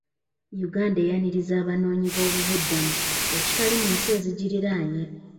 Uganda eyaniriza abanoonyi boobubudamu ekitali ku nsi ezigiriraanye.